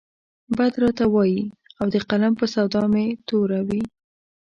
بد راته وايي او د قلم په سودا مې توره وي.